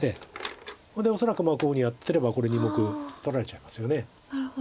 これで恐らくこういうふうにやってればこれ２目取られちゃいますよね。